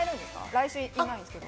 来週いないんですけど。